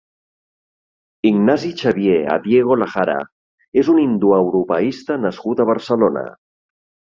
Ignasi-Xavier Adiego Lajara és un indoeuropeista nascut a Barcelona.